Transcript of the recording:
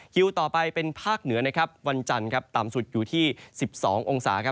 คิวต่อไปเป็นภาคเหนือวันจันทร์ต่ำสุดอยู่ที่๑๒องศา